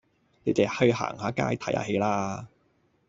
你哋去行下街，睇下戲啦